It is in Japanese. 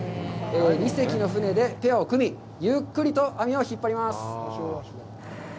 ２隻の船でペアを組み、ゆっくりと網を引っ張ります。